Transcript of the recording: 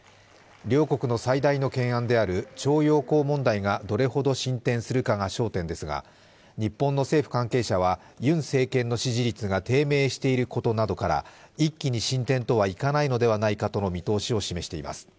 両国の最大の懸案である徴用工問題がどれほど進展するかが焦点ですが、日本の政府関係者はユン政権の支持率が低迷していることなどから一気に進展とはいかないのではないかとの見通しを示しています。